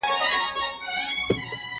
شمع كوچ سوه د محفل له ماښامونو!!